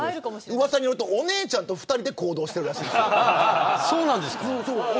うわさによると、お姉ちゃんと２人で行動しているらしい。